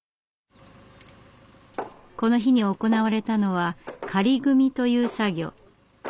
この日に行われたのは「仮組み」という作業。